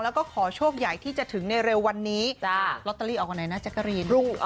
แล้วก็ขอโชคใหญ่ที่จะถึงในเร็ววันนี้ลอตเตอรี่ออกวันไหนนะแจ๊กกะรีน